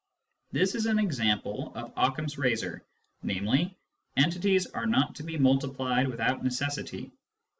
This is an example of Occam's razor, namely, " entities are not to be multiplied without necessity."